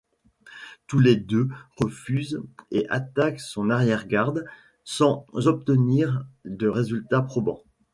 Tous les deux refusent et attaquent son arrière-garde, sans obtenir de résultats probants.